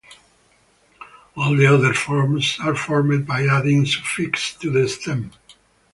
All the other forms are formed by adding suffixes to the stem.